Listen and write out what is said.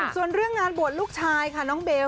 ส่วนเรื่องงานบวชลูกชายค่ะน้องเบล